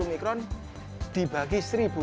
dan mikron dibagi seribu